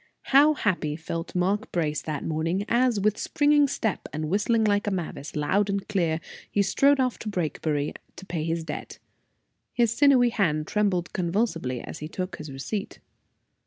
How happy felt Mark Brace that morning, as, with springing step, and whistling like a mavis, loud and clear, he strode off to Brakebury to pay his debt. His sinewy hand trembled convulsively as he took his receipt.